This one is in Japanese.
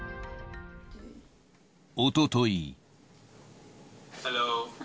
おととい。